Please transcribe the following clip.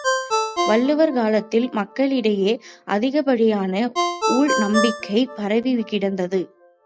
வள்ளுவர் காலத்தில், மக்களிடையே அதிகப்படியான ஊழ் நம்பிக்கை பரவிக்கிடந்தது.